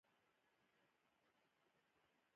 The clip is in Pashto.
د پیسو معجون بېلابېل ترکیبات لري.